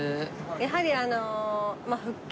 やはりあの。